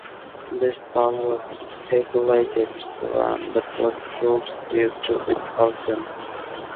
Best Pal was speculated to run but was pulled due to exhaustion.